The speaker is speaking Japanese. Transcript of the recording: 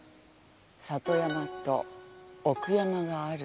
里山と奥山がある。